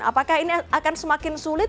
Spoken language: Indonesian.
apakah ini akan semakin sulit